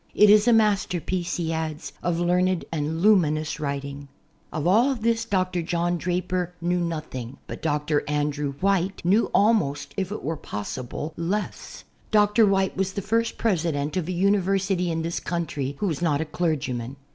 "It is a master piece," he adds, "of learned and luminous writing." Of all this Dr. John Draper knew nothing but Dr. Andrew White knew almost, if it were possible, less. Dr. White was the first president of a university in this country who was not a clergyman.